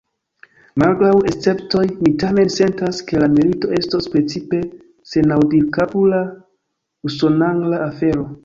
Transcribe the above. Malgraŭ esceptoj, mi tamen sentas, ke la milito estos principe senaŭdilkapula, usonangla afero.